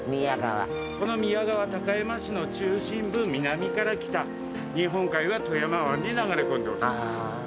この宮川高山市の中心部南から北日本海は富山湾に流れ込んでおります。